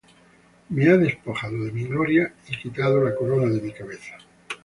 Hame despojado de mi gloria, Y quitado la corona de mi cabeza.